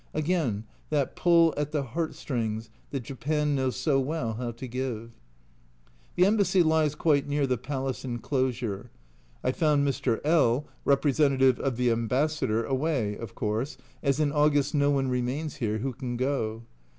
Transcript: Again that pull at the heart strings that Japan knows so well how to give. The Embassy lies quite near the palace enclosure. 1 found Mr. L (representative of the Ambassador) away, of course, as in August no one remains here who can go.